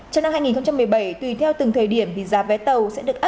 trong năm hai nghìn một mươi bảy tùy theo từng thời điểm thì giá vé tàu sẽ được áp